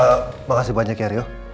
ehm makasih banyak ya rio